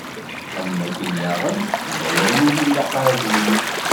Am wakken daɣen, yella wayen ur ilaq ara ad yini.